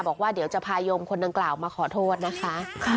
บอกว่าเดี๋ยวจะพายมคนดังกล่าวมาขอโทษนะคะ